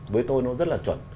với tôi nó rất là chuẩn